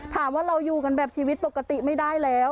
เราอยู่กันแบบชีวิตปกติไม่ได้แล้ว